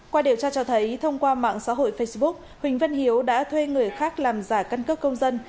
qua điều tra cho thấy thông qua mạng xã hội facebook huỳnh vân hiếu đã thuê người khác làm giả căn cước công dân